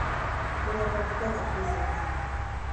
Bere obra guztia latinez idatzia da.